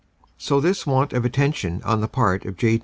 So this want of attention on the part of J.